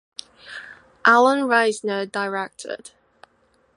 Allan Reisner directed.